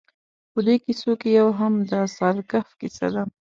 په دې کیسو کې یو هم د اصحاب کهف کیسه ده.